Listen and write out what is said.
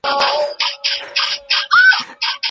که سوله وي نو سپس وي.